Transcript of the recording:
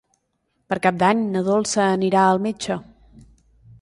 Per Cap d'Any na Dolça anirà al metge.